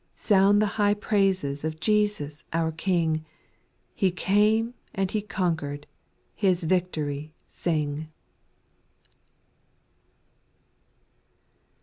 Sound the high praises of Jesus our King, He came and He conquered — His victory sing.